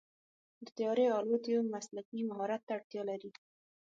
د طیارې الوت یو مسلکي مهارت ته اړتیا لري.